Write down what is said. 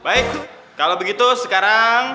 baik kalau begitu sekarang